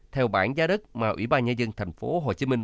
theo bản giá đất mà ủy ban nhà dân thành phố hồ chí minh